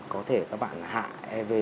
có thể các bạn hạ ev